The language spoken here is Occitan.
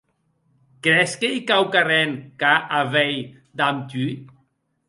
Cres qu'ei quauquarren qu'a a veir damb tu?